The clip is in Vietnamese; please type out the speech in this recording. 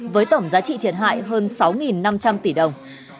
với tổng giá trị thiệt hại hơn sáu năm trăm linh tỷ đồng